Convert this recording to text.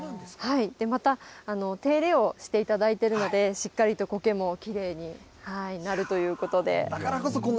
また、手入れをしていただいているので、しっかりとコケもきれいになるということで。